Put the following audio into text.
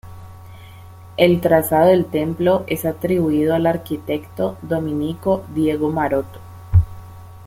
El trazado del templo es atribuido al arquitecto dominico Diego Maroto.